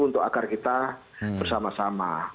untuk agar kita bersama sama